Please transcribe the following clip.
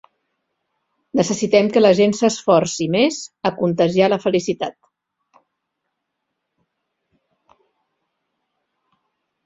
Necessitem que la gent s'esforci més a contagiar la felicitat.